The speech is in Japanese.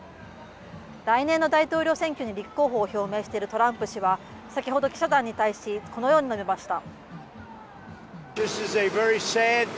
来年の大統領選挙に立候補を表明しているトランプ氏は、先ほど記者団に対し、このように述べました。